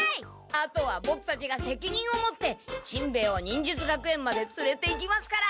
あとはボクたちがせきにんを持ってしんべヱを忍術学園までつれていきますから。